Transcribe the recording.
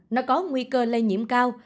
nó có nguy cơ lây nhiễm cao